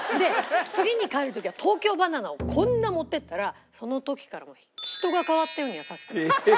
次に帰る時は東京ばな奈をこんな持って行ったらその時から人が変わったように優しくなった。